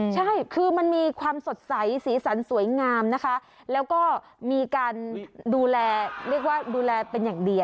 ใช่คือมันมีความสดใสสีสันสวยงามนะคะแล้วก็มีการดูแลเรียกว่าดูแลเป็นอย่างดี